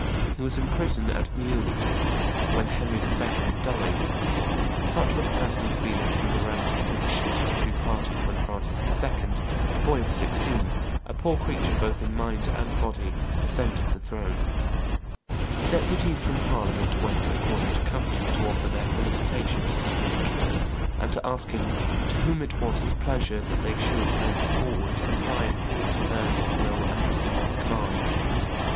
He was in prison at Meaux when Henry II. died. Such were the personal feelings and the relative positions of the two parties when Francis II., a boy of sixteen, a poor creature both in mind and body, ascended the throne. [Illustration: Francis II 269] Deputies from Parliament went, according to custom, to offer their felicitations to the new king, and to ask him "to whom it was his pleasure that they should, thenceforward, apply for to learn his will and receive his commands."